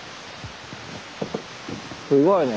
すごいね。